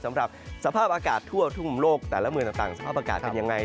สำหรับสภาพอากาศทั่วทุ่มโลกแต่ละเมืองต่างสภาพอากาศเป็นยังไง